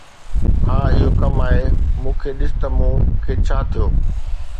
ها، اهو ڪم آهي. مون کي ڏس ته مون کي ڇا ٿيو.